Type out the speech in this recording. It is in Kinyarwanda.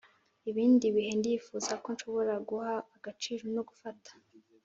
ibi bihe ndifuza ko nshobora guha agaciro no gufata.